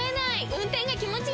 運転が気持ちいい！